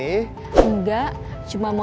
jangan tahu mas